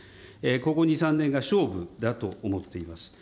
ここ２、３年が勝負だと思っています。